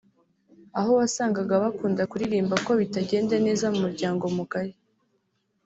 aho wasangaga bakunda kuririmba ku bitagenda neza mu muryango mugari